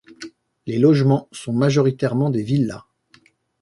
Les logements sont majoritairement des villas.